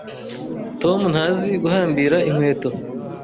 Tom ntazi guhambira inkweto.